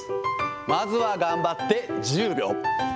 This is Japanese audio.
まずは頑張って１０秒。